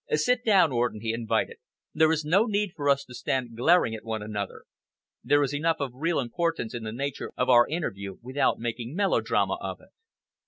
"Sit down, Orden," he invited. "There is no need for us to stand glaring at one another. There is enough of real importance in the nature of our interview without making melodrama of it."